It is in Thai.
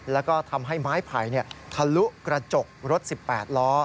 แล้วก็ทำให้ไม้ไผ่ทะลุกระจกรถ๑๘ล้อ